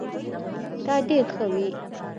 تا ډير ښه وي